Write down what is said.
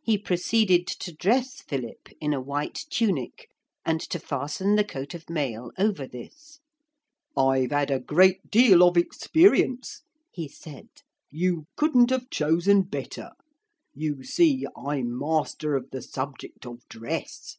He proceeded to dress Philip in a white tunic and to fasten the coat of mail over this. 'I've had a great deal of experience,' he said; 'you couldn't have chosen better. You see, I'm master of the subject of dress.